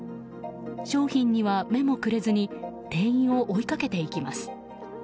商品には目もくれずに店員を追いかけていきます。